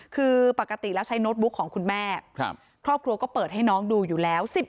คือปกติแล้วใช้โน้ตบุ๊กของคุณแม่ครอบครัวก็เปิดให้น้องดูอยู่แล้ว